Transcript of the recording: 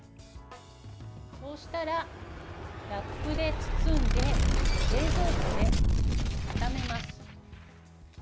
そうしたら、ラップで包んで冷蔵庫で固めます。